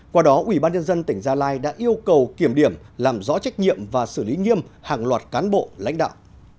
qua đó ủy ban nhân dân tỉnh gia lai đã yêu cầu kiểm điểm làm rõ trách nhiệm và xử lý nghiêm hàng loạt cán bộ lãnh đạo